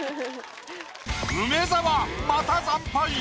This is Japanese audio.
梅沢また惨敗！